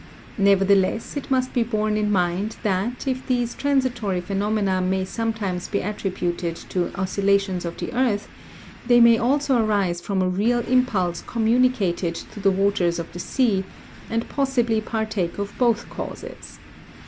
Nevertheless it must be borne in mind that, if these transitory phe nomena may sometimes be attributed to oscillations of the earth, they may also arise from a real impulse communicated to the waters of the sea, and possibly partake of both causes.